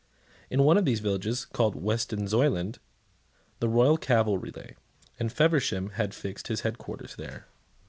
In one of these villages, called Weston Zoyland, the royal cavalry lay; and Feversham had fixed his headquarters there.